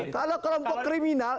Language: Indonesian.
kalau kelompok kriminal